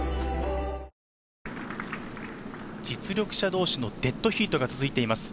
同士のデッドヒートが続いています。